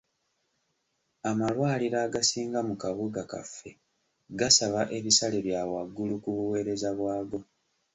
Amalwaliro agasinga mu kabuga kaffe gasaba ebisale bya waggulu ku buweereza bwago.